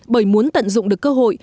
bởi muốn tận dụng được cơ hội